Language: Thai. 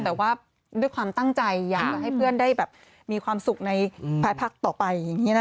แต่ว่าด้วยความตั้งใจอยากให้เพื่อนได้มีความสุขในพระพักต่อไป